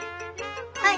はい！